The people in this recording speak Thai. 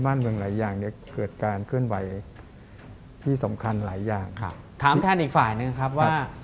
เพียงแต่ผู้เดี่ยว